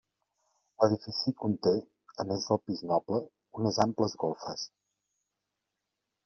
L'edifici conté, a més del pis noble, unes amples golfes.